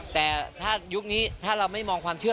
แต่ถ้ายุคนี้ถ้าเราไม่มองความเชื่อ